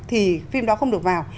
thì phim đó không được vào